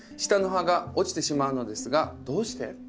下の葉が落ちてしまうのですがどうして？